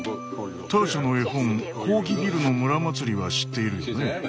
ターシャの絵本「コーギビルの村まつり」は知っているよね。